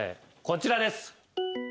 こちらです。